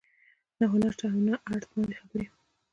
نه هنر شته او نه ارټ باندې خبرې